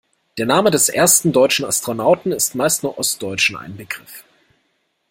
Der Name des ersten deutschen Astronauten ist meist nur Ostdeutschen ein Begriff.